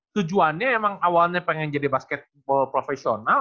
tujuannya emang awalnya pengen jadi basketbal profesional